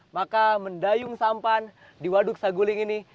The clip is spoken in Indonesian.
maka mendayung sampan di waduk saguling ini